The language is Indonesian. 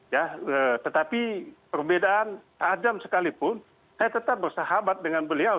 ya tetapi perbedaan tajam sekalipun saya tetap bersahabat dengan beliau